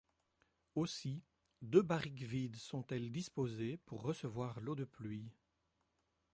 Aussi deux barriques vides sont-elles disposées pour recevoir l’eau de pluie.